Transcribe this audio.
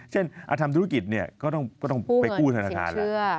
เช่นทำธุรกิจก็ต้องไปกู้ธนาคาร